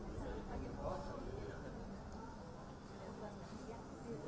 menteri menteri ya yang datang ya